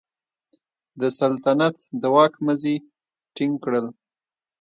د سلطنت د واک مزي ټینګ کړل.